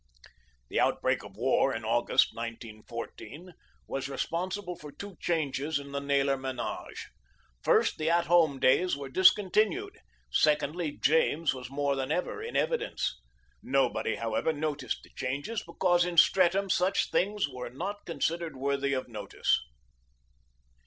The outbreak of war in August, 1914, was responsible for two changes in the Naylor ménage. First the at home days were discontinued, secondly James was more than ever in evidence. Nobody, however, noticed the changes, because in Streatham such things are not considered worthy of notice.